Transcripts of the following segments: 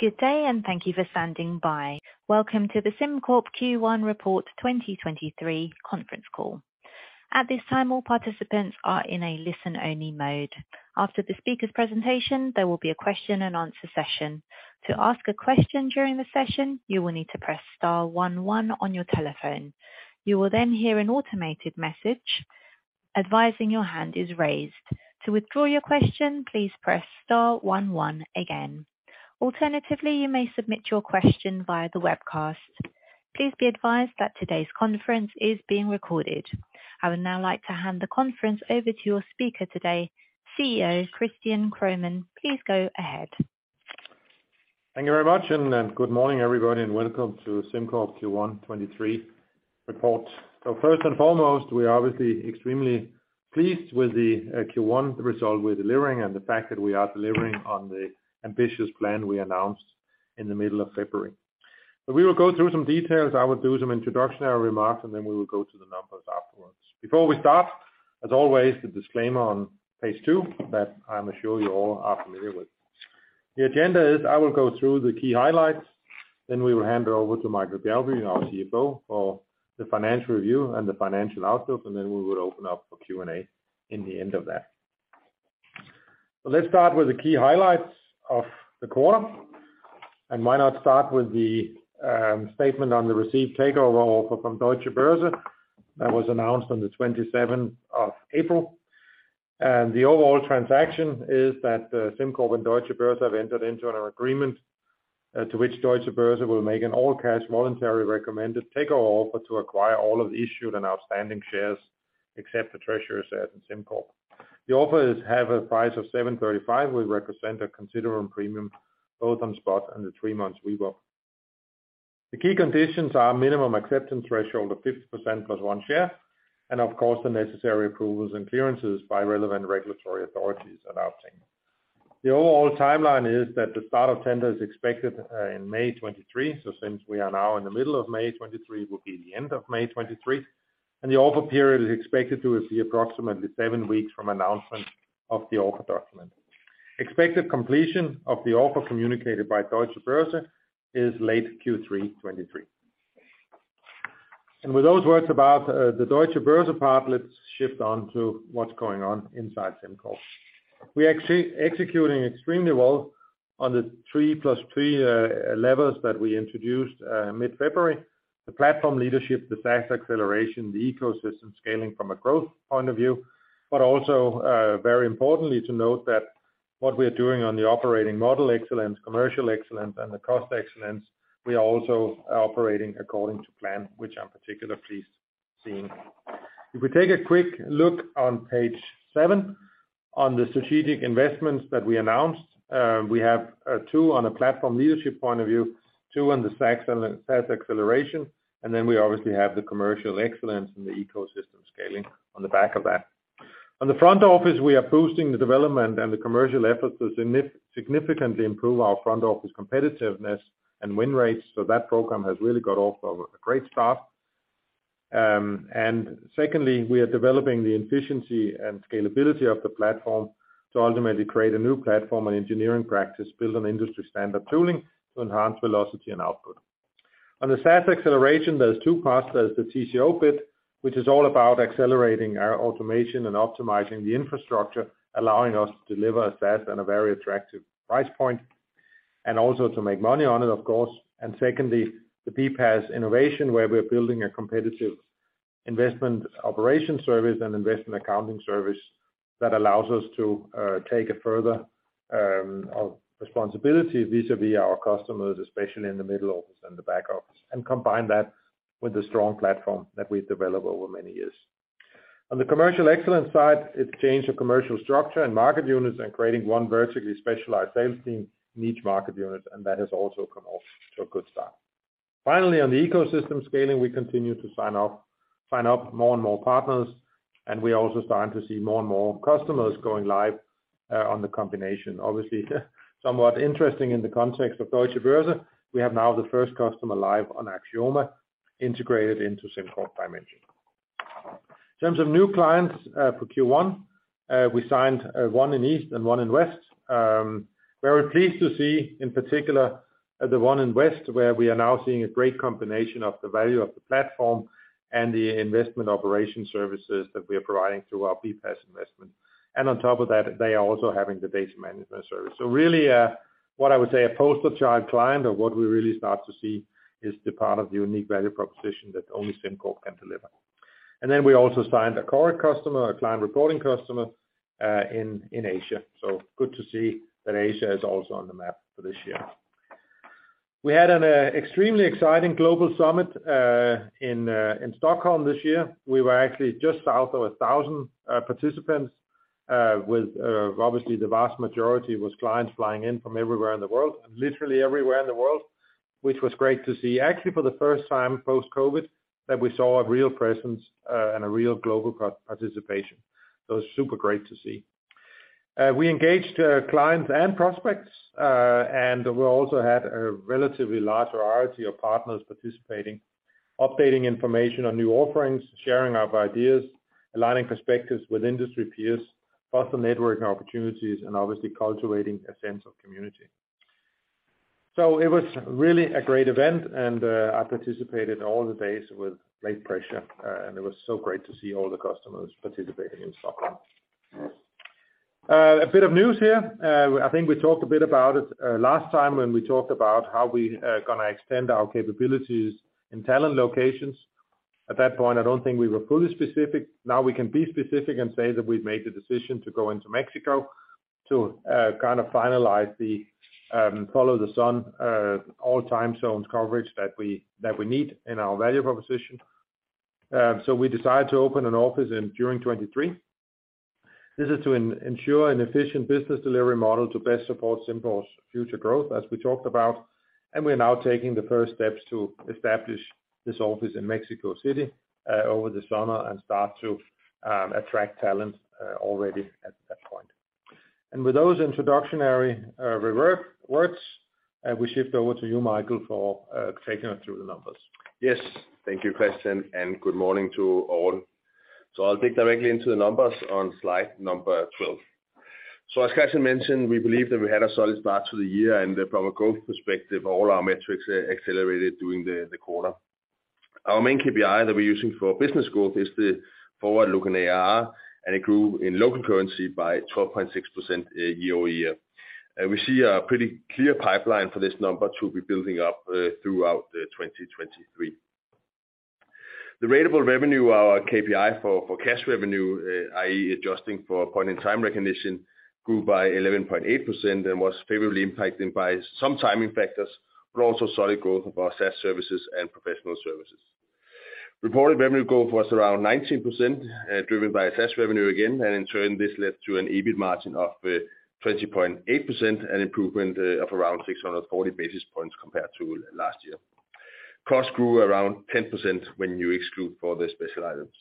Good day, thank you for standing by. Welcome to the SimCorp Q1 Report 2023 conference call. At this time, all participants are in a listen-only mode. After the speaker's presentation, there will be a question-and-answer session. To ask a question during the session, you will need to press star 11 on your telephone. You will then hear an automated message advising your hand is raised. To withdraw your question, please press star 11 again. Alternatively, you may submit your question via the webcast. Please be advised that today's conference is being recorded. I would now like to hand the conference over to your speaker today, CEO, Christian Kromann. Please go ahead. Thank you very much, and good morning, everybody, and welcome to SimCorp Q1 2023 report. First and foremost, we are obviously extremely pleased with the Q1 result we're delivering and the fact that we are delivering on the ambitious plan we announced in the middle of February. We will go through some details. I will do some introductory remarks, and then we will go to the numbers afterwards. Before we start, as always, the disclaimer on page two that I'm sure you all are familiar with. The agenda is I will go through the key highlights, then we will hand it over to Michael Bjerg, our CFO, for the financial review and the financial outlook, and then we will open up for Q&A in the end of that. Let's start with the key highlights of the quarter. Why not start with the statement on the received takeover offer fr om Deutsche Börse that was announced on the 27th of April. The overall transaction is that SimCorp and Deutsche Börse have entered into an agreement to which Deutsche Börse will make an all-cash voluntary recommended takeover offer to acquire all of the issued and outstanding shares, except the treasury shares in SimCorp. The offer is have a price of 735 will represent a considerable premium both on spot and the three months we got. The key conditions are minimum acceptance threshold of 50% plus 1 share, and of course, the necessary approvals and clearances by relevant regulatory authorities are outstanding. The overall timeline is that the start of tender is expected in May 2023. Since we are now in the middle of May 2023, will be the end of May 2023, the offer period is expected to be approximately seven weeks from announcement of the offer document. Expected completion of the offer communicated by Deutsche Börse is late Q3 2023. With those words about the Deutsche Börse part, let's shift on to what's going on inside SimCorp. We're executing extremely well on the three plus three levels that we introduced mid-February, the platform leadership, the SaaS acceleration, the ecosystem scaling from a growth point of view, but also very importantly to note that what we are doing on the operating model excellence, commercial excellence, and the cost excellence, we are also operating according to plan, which I'm particularly pleased seeing. We take a quick look on page seven on the strategic investments that we announced, we have two on a platform leadership point of view, two on the SaaS acceleration, we obviously have the commercial excellence and the ecosystem scaling on the back of that. On the front office, we are boosting the development and the commercial efforts to significantly improve our front office competitiveness and win rates. That program has really got off of a great start. Secondly, we are developing the efficiency and scalability of the platform to ultimately create a new platform and engineering practice build on industry standard tooling to enhance velocity and output. On the SaaS acceleration, there's two parts. There's the TCO bit, which is all about accelerating our automation and optimizing the infrastructure, allowing us to deliver a SaaS at a very attractive price point, and also to make money on it, of course. Secondly, the BPaaS innovation, where we're building a competitive investment operation service and investment accounting service that allows us to take a further responsibility vis-à-vis our customers, especially in the middle office and the back office, and combine that with the strong platform that we've developed over many years. On the commercial excellence side, it's change of commercial structure and market units and creating one vertically specialized sales team in each market unit. That has also come off to a good start. On the ecosystem scaling, we continue to sign up more and more partners, and we're also starting to see more and more customers going live on the combination. Somewhat interesting in the context of Deutsche Börse, we have now the first customer live on Axioma integrated into SimCorp Dimension. In terms of new clients, for Q1, we signed one in East and one in West. Very pleased to see in particular the one in West, where we are now seeing a great combination of the value of the platform and the investment operation services that we are providing through our BPaaS investment. On top of that, they are also having the data management service. Really, what I would say a poster child client of what we really start to see is the part of the unique value proposition that only SimCorp can deliver. We also signed a core customer, a client reporting customer, in Asia. Good to see that Asia is also on the map for this year. We had an extremely exciting global summit in Stockholm this year. We were actually just south of 1,000 participants, with obviously the vast majority was clients flying in from everywhere in the world, and literally everywhere in the world, which was great to see. Actually, for the first time post-COVID that we saw a real presence and a real global participation. It was super great to see. Uh, we engaged, uh, clients and prospects, uh, and we also had a relatively large variety of partners participating, updating information on new offerings, sharing our ideas, aligning perspectives with industry peers, foster networking opportunities, and obviously cultivating a sense of community. So it was really a great event, and, uh, I participated all the days with great pleasure, uh, and it was so great to see all the customers participating in Stockholm. Uh, a bit of news here. Uh, I think we talked a bit about it, uh, last time when we talked about how we, uh, gonna extend our capabilities in talent locations. At that point, I don't think we were fully specific. Now we can be specific and say that we've made the decision to go into Mexico to kind of finalize the follow the sun all time zones coverage that we need in our value proposition. We decided to open an office during 2023. This is to ensure an efficient business delivery model to best support SimCorp's future growth, as we talked about. We're now taking the first steps to establish this office in Mexico City over this summer and start to attract talent already at that point. With those introductionary words, we shift over to you, Michael, for taking us through the numbers. Yes. Thank you, Christian, and good morning to all. I'll dig directly into the numbers on slide number 12. As Christian mentioned, we believe that we had a solid start to the year, and from a growth perspective, all our metrics accelerated during the quarter. Our main KPI that we're using for business growth is the forward-looking ARR, and it grew in local currency by 12.6% year-over-year. We see a pretty clear pipeline for this number to be building up throughout 2023. The ratable revenue, our KPI for cash revenue, i.e., adjusting for point-in-time recognition, grew by 11.8% and was favorably impacted by some timing factors, but also solid growth of our SaaS services and professional services. Reported revenue growth was around 19%, driven by SaaS revenue again, and in turn, this led to an EBIT margin of 20.8% and improvement of around 640 basis points compared to last year. Costs grew around 10% when you exclude for the special items.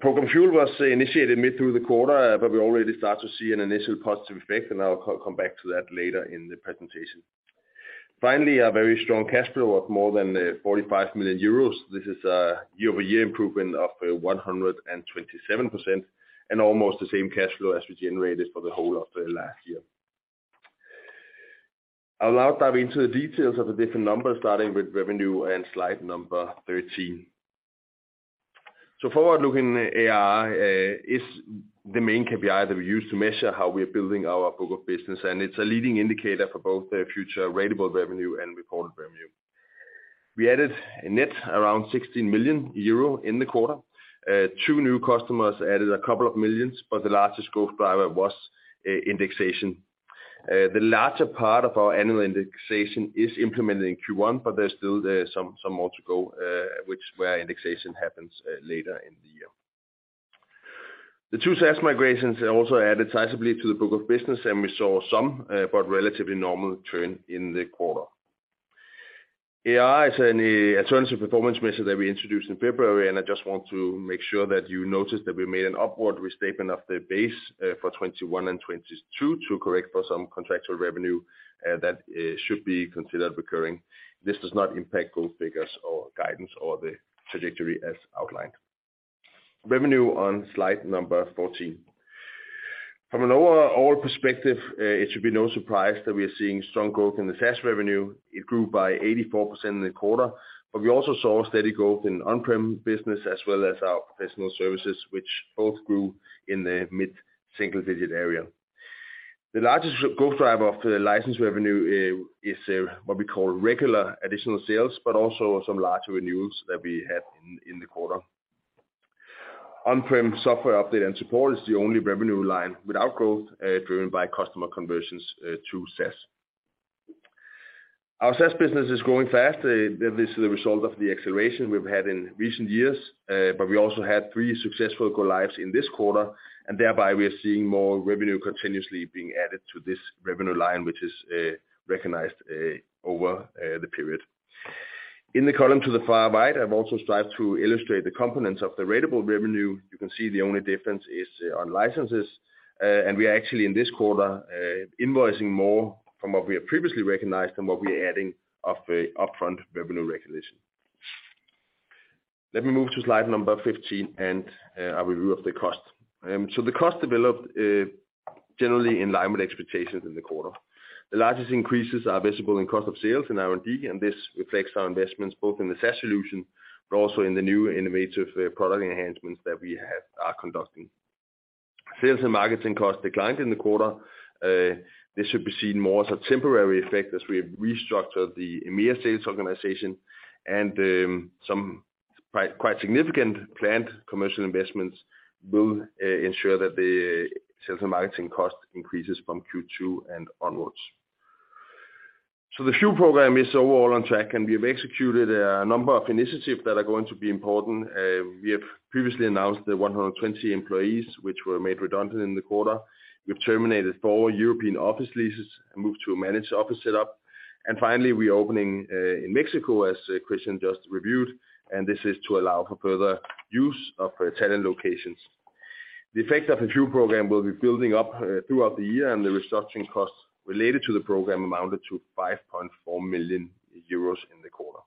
Program FuEl was initiated mid through the quarter, but we already start to see an initial positive effect, and I'll come back to that later in the presentation. Finally, a very strong cash flow of more than 45 million euros. This is a year-over-year improvement of 127% and almost the same cash flow as we generated for the whole of the last year. I'll now dive into the details of the different numbers, starting with revenue and slide number 13. Forward-looking ARR is the main KPI that we use to measure how we are building our book of business, and it's a leading indicator for both the future ratable revenue and reported revenue. We added a net around 16 million euro in the quarter. Two new customers added a couple of millions, but the largest growth driver was indexation. The larger part of our annual indexation is implemented in Q1, but there's still some more to go, which where indexation happens later in the year. The two SaaS migrations also added sizably to the book of business, and we saw some, but relatively normal churn in the quarter. ARR is an alternative performance measure that we introduced in February. I just want to make sure that you notice that we made an upward restatement of the base for 2021 and 2022 to correct for some contractual revenue that should be considered recurring. This does not impact growth figures or guidance or the trajectory as outlined. Revenue on slide number 14. From an overall perspective, it should be no surprise that we are seeing strong growth in the SaaS revenue. It grew by 84% in the quarter. We also saw a steady growth in on-prem business as well as our professional services, which both grew in the mid-single digit area. The largest growth driver of the license revenue is what we call regular additional sales, also some large renewals that we had in the quarter. On-prem software update and support is the only revenue line without growth, driven by customer conversions to SaaS. Our SaaS business is growing fast. This is a result of the acceleration we've had in recent years, but we also had three successful go-lives in this quarter, and thereby we are seeing more revenue continuously being added to this revenue line, which is recognized over the period. In the column to the far right, I've also strived to illustrate the components of the ratable revenue. You can see the only difference is on licenses. We are actually in this quarter, invoicing more from what we have previously recognized than what we are adding of the upfront revenue recognition. Let me move to slide number 15 and a review of the cost. The cost developed generally in line with expectations in the quarter. The largest increases are visible in cost of sales and R&D, and this reflects our investments both in the SaaS solution, but also in the new innovative product enhancements that we are conducting. Sales and marketing costs declined in the quarter. This should be seen more as a temporary effect as we have restructured the EMEA sales organization and some quite significant planned commercial investments will ensure that the sales and marketing cost increases from Q2 and onwards. The FuEl program is overall on track, and we have executed a number of initiat ives that are going to be important. We have previously announced the 120 employees, which were made redundant in the quarter. We've terminated four European office leases and moved to a managed office set up. Finally, we're opening in Mexico, as Christian just reviewed, and this is to allow for further use of talent locations. The effect of the FuEl program will be building up throughout the year, and the restructuring costs related to the program amounted to 5.4 million euros in the quarter.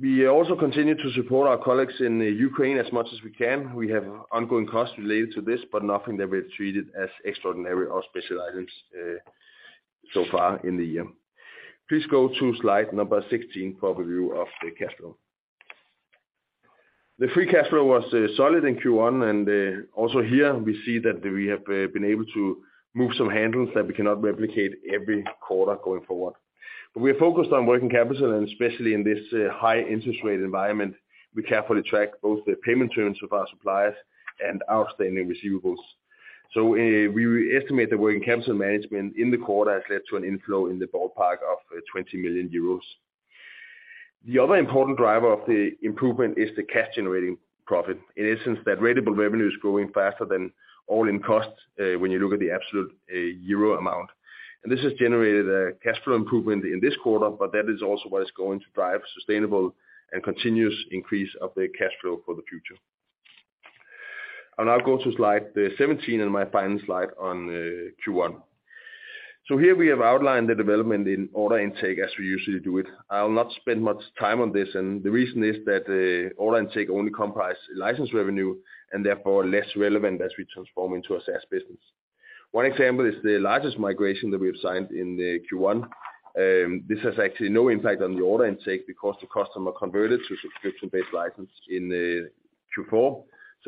We also continue to support our colleagues in Ukraine as much as we can. We have ongoing costs related to this, but nothing that we've treated as extraordinary or special items so far in the year. Please go to slide number 16 for overview of the cash flow. The free cash flow was solid in Q1, and also here we see that we have been able to move some handles that we cannot replicate every quarter going forward. We are focused on working capital, and especially in this high interest rate environment, we carefully track both the payment terms of our suppliers and outstanding receivables. We estimate the working capital management in the quarter has led to an inflow in the ballpark of 20 million euros. The other important driver of the improvement is the cash generating profit. In essence, that ratable revenue is growing faster than all-in costs when you look at the absolute EUR amount. This has generated a cash flow improvement in this quarter, but that is also what is going to drive sustainable and continuous increase of the cash flow for the future. I'll now go to slide 17 and my final slide on Q1. Here, we have outlined the development in order intake as we usually do it. I'll not spend much time on this. The reason is that the order intake only comprise license revenue and therefore less relevant as we transform into a SaaS business. One example is the largest migration that we have signed in Q1. This has actually no impact on the order intake because the customer converted to subscription-based license in Q4.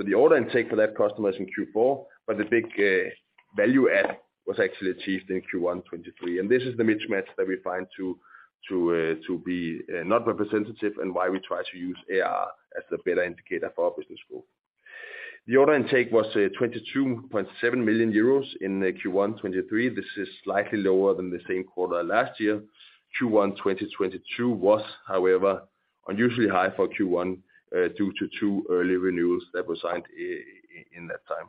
The order intake for that customer is in Q4, but the big value add was actually achieved in Q1 2023. This is the mismatch that we find to be not representative and why we try to use ARR as the better indicator for our business growth. The order intake was 22.7 million euros in Q1 2023. This is slightly lower than the same quarter last year. Q1 2022 was, however, unusually high for Q1 due to two early renewals that were signed in that time.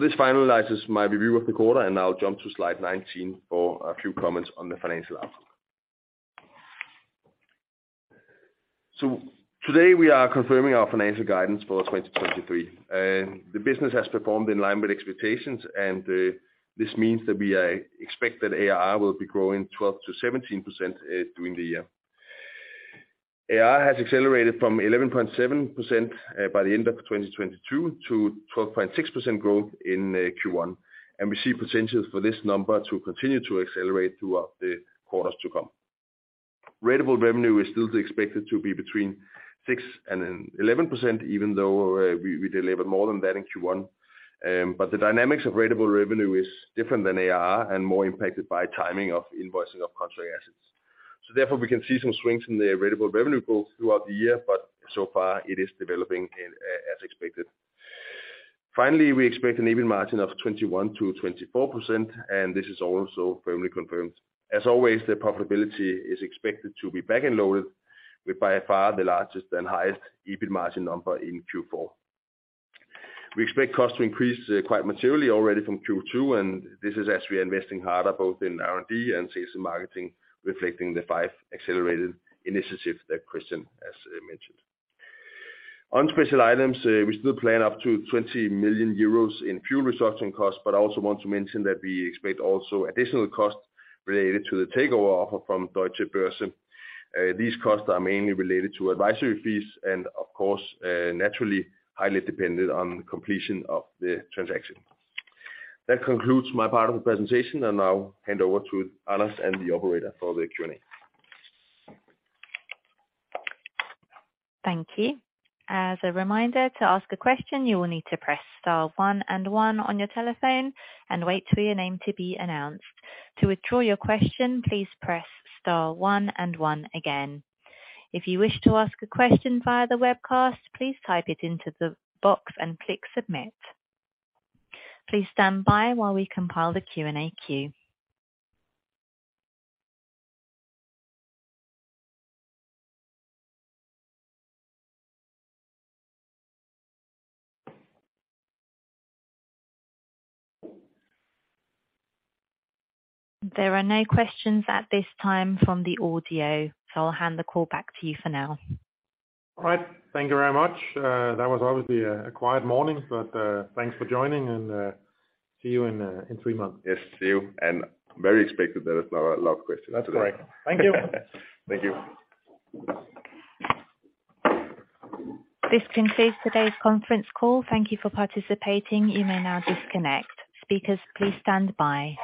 This finalizes my review of the quarter, and I'll jump to slide 19 for a few comments on the financial outlook. Today, we are confirming our financial guidance for 2023. The business has performed in line with expectations, and this means that we expect that ARR will be growing 12%-17% during the year. ARR has accelerated from 11.7% by the end of 2022 to 12.6% growth in Q1. We see potential for this number to continue to accelerate throughout the quarters to come. Ratable revenue is still expected to be between 6%-11%, even though we delivered more than that in Q1. The dynamics of ratable revenue is different than ARR and more impacted by timing of invoicing of contract assets. Therefore, we can see some swings in the ratable revenue growth throughout the year, but so far it is developing as expected. Finally, we expect an EBIT margin of 21%-24%, and this is also firmly confirmed. As always, the profitability is expected to be back-end loaded with, by far, the largest and highest EBIT margin number in Q4. We expect costs to increase quite materially already from Q2, and this is as we are investing harder both in R&D and sales and marketing, reflecting the five accelerated initiatives that Christian has mentioned. On special items, we still plan up to 20 million euros in FuEl resourcing costs. I also want to mention that we expect also additional costs related to the takeover offer from Deutsche Börse. These costs are mainly related to advisory fees and of course, naturally highly dependent on completion of the transaction. That concludes my part of the presentation. I'll hand over to Anders and the operator for the Q&A. Thank you. As a reminder, to ask a question, you will need to press star one and one on your telephone and wait for your name to be announced. To withdraw your question, please press star one and one again. If you wish to ask a question via the webcast, please type it into the box and click submit. Please stand by while we compile the Q&A queue. There are no questions at this time from the audio, I'll hand the call back to you for now. All right. Thank you very much. That was obviously a quiet morning, but thanks for joining and see you in three months. Yes, see you, and very expected there is not a lot of questions. That's right. Thank you. Thank you. This concludes today's conference call. Thank you for participating. You may now disconnect. Speakers, please stand by.